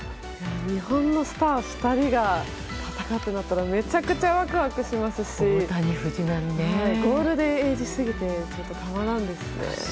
日本のスター２人が戦うとなったらめちゃくちゃワクワクしますしゴールデンエージすぎてたまらんですね。